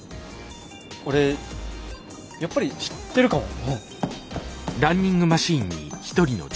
俺やっぱり知ってるかも。